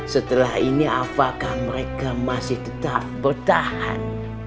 setelah ini apakah mereka masih tetap bertahan